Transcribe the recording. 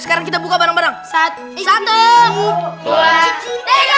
sekarang kita buka barang barang saat itu